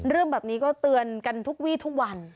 เรื่องแบบนี้ก็เตือนกันทุกวีทุกวัน